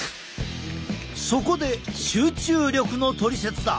そこで集中力のトリセツだ！